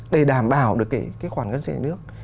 để đảm bảo được cái khoản gân sự nhà nước